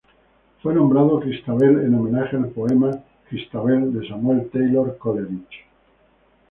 Fue nombrado Christabel en homenaje al poema "Christabel" de Samuel Taylor Coleridge.